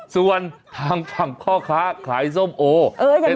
ส่วนทางฝั่งค่าค้าขายส้มโอเออยังไงคะ